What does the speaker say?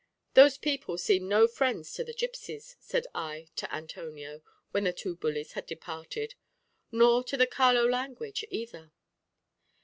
"Those people seem no friends to the gipsies," said I to Antonio, when the two bullies had departed; "nor to the Caló language either."